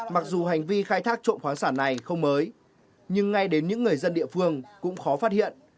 mặc dù hành vi khai thác trộm khoáng sản này không mới nhưng ngay đến những người dân địa phương cũng khó phát hiện